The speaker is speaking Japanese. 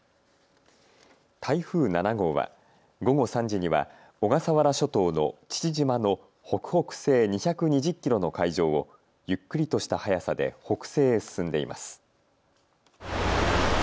台風７号は午後３時には小笠原諸島の父島の北北西２２０キロの海上をゆっくりとした速さで北西へ進んでいます。